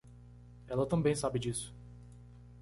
Ela também sabe disso!